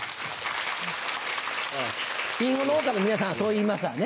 りんご農家の皆さんはそう言いますわね。